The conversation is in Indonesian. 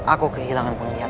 aku kehilangan penglihatan